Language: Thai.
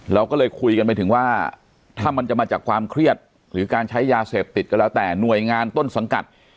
เราก็เลยคุยกันไปถึงว่าถ้ามันจะมาจากความเครียดหรือการใช้ยาเสพติดก็แล้วแต่หน่วยงานต้นสังกัด